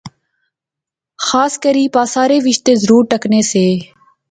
خاص کری پاسارے وچ تہ ضرور ٹکنے سے